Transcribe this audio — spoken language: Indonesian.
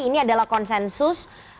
ini adalah konsensus